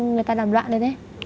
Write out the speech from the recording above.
người ta làm loạn lên ấy